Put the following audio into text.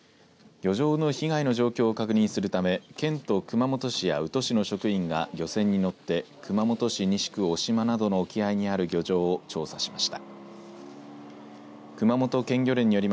漁場の被害の状況を確認するため県と熊本市や宇土市の職員が漁船に乗って熊本市西区小島などの沖合にある漁場を調査しました。